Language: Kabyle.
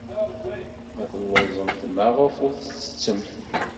Ma telluẓemt, maɣef ur tettettemt?